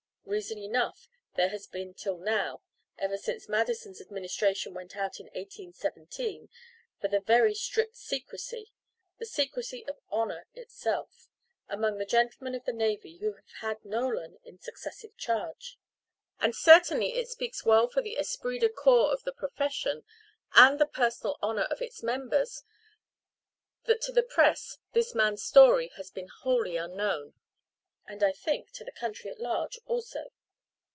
Reason enough there has been till now ever since Madison's administration went out in 1817, for very strict secrecy, the secrecy of honour itself, among the gentlemen of the navy who have had Nolan in successive charge. And certainly it speaks well for the esprit de corps of the profession, and the personal honour of its members, that to the press this man's story has been wholly unknown and, I think, to the country at large also.